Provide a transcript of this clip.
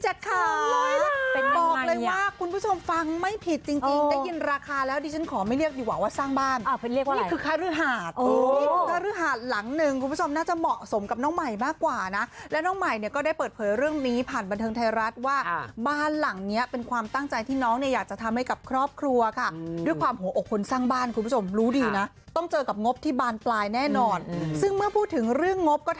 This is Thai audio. หรือหาดหลังหนึ่งคุณผู้ชมน่าจะเหมาะสมกับน้องใหม่มากกว่านะแล้วน้องใหม่เนี้ยก็ได้เปิดเผยเรื่องนี้ผ่านบันเทิงไทยรัฐว่าบ้านหลังเนี้ยเป็นความตั้งใจที่น้องเนี้ยอยากจะทำให้กับครอบครัวค่ะด้วยความหัวโอคนสร้างบ้านคุณผู้ชมรู้ดีนะต้องเจอกับงบที่บานปลายแน่นอนซึ่งเมื่อพูดถึงเรื่องงบก็